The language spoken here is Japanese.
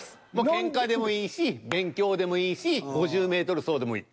喧嘩でもいいし勉強でもいいし５０ｍ走でもいい。